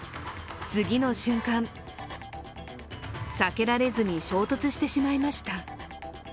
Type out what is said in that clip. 次の瞬間避けられずに衝突してしまいました。